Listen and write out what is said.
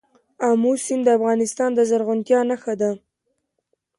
آمو سیند د افغانستان د زرغونتیا نښه ده.